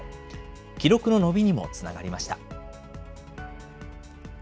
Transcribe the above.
記録の伸びにもつながりました。